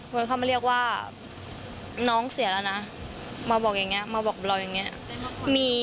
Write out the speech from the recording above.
คนเข้ามาเรียกว่าน้องเสียแล้วนะมาบอกอย่างนี้มาบอกเราอย่างนี้